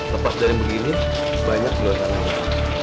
lepas dari begini banyak juga yang nangis